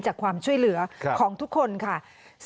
ความช่วยเหลือของทุกคนค่ะ